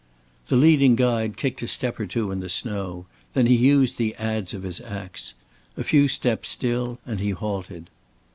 The leading guide kicked a step or two in the snow. Then he used the adz of his ax. A few steps still, and he halted.